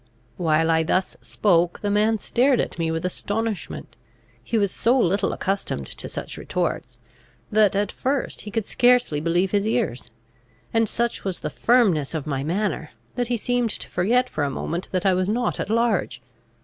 While I thus spoke, the man stared at me with astonishment. He was so little accustomed to such retorts, that, at first, he could scarcely believe his ears; and such was the firmness of my manner, that he seemed to forget for a moment that I was not at large.